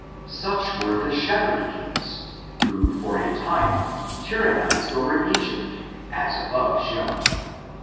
Such were the shepherd kings, who, for a time, tyr ranized over Egypt, as above shown.